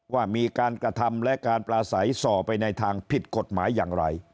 ว่ามีการกระทำและการปลาใสส่อไปในทางผิดกฎหมายอย่างไร